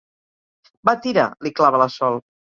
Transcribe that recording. Va, tira! —li clava la Sol.